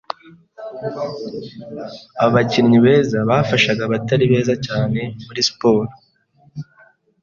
Abakinnyi beza bafashaga abatari beza cyane muri siporo.